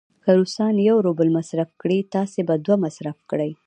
که روسان یو روبل مصرف کړي، تاسې به دوه مصرف کړئ.